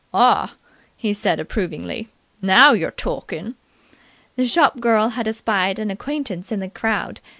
"R!" he said approvingly. "Now you're torkin'!" The shop girl had espied an acquaintance in the crowd.